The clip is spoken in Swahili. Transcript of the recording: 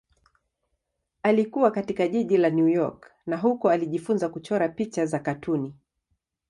Alikua katika jiji la New York na huko alijifunza kuchora picha za katuni.